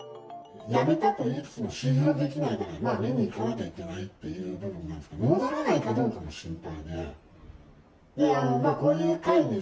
やめたと言いつつも、信用できないから、見に行かなきゃいけないっていう部分なんですけど、戻らないかどうかも心配で。